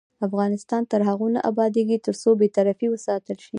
افغانستان تر هغو نه ابادیږي، ترڅو بې طرفي وساتل شي.